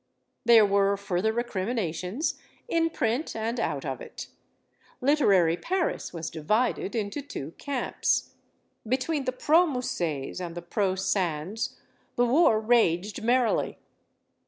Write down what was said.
There were further recriminations, in print and out of it. Literary Paris was divided into two camps. Be tween the pro Mussets and the pro Sands, the war raged merrily.